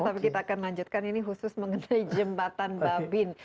tapi kita akan lanjutkan ini khusus mengenai jembatan babin